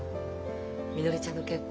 みのりちゃんの結婚